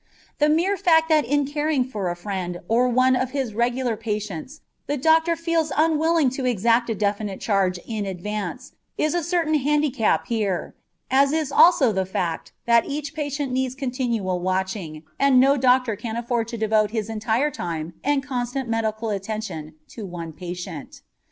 The mere fact that in caring for a friend or one of his regular patients the doctor feels unwilling to exact a definite charge in advance is a certain handicap here, as is also the fact that each patient needs continual watching, and no doctor can afford to devote his entire time and constant medical attention to one patient.